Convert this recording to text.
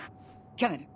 キャメル。